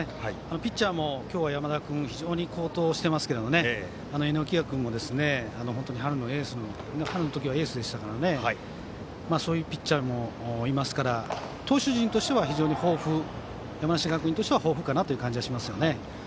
ピッチャーも今日は山田君が好投していますけど榎谷君も本当に春の時はエースでしたからそういうピッチャーもいますから投手陣としては山梨学院としては非常に豊富かなという感じがします。